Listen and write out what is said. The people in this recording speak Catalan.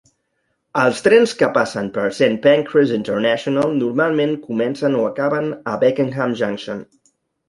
Els trens que passen per Saint Pancras International normalment comencen o acaben a Beckenham Junction.